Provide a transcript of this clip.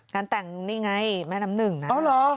งานแต่งนี่ไงแม่น้ำหนึ่งนะ